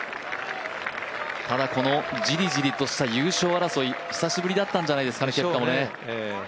ただ、じりじりとした優勝争い久しぶりだったんじゃないですかね、ケプカもね。